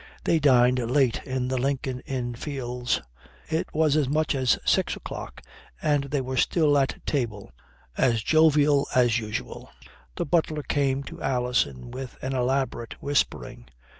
They dined late in the Lincoln Inn Fields. It was as much as six o'clock and they were still at table as jovial as usual. The butler came to Alison with an elaborate whispering.